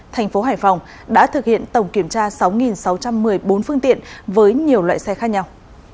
thành phố hải phòng đã thực hiện tổng kiểm tra sáu sáu trăm một mươi bốn phương tiện với nhiều loại xe khác nhau